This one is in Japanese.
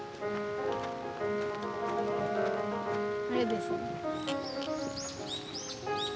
あれです。